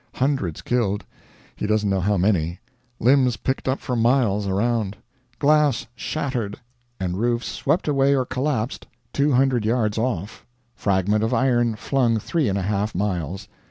Hundreds killed; he doesn't know how many; limbs picked up for miles around. Glass shattered, and roofs swept away or collapsed 200 yards off; fragment of iron flung three and a half miles.